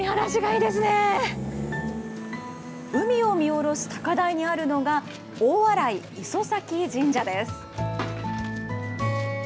海を見下ろす高台にあるのが、大洗磯前神社です。